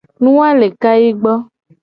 Nu a le kayi gbo.